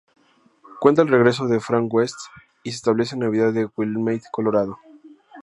Cuenta el regreso de Frank West, y se establece en Navidad en Willamette, Colorado.